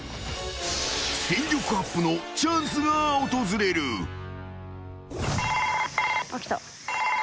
［戦力アップのチャンスが訪れる］来た。